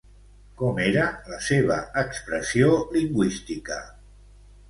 Com era la seva expressió lingüística?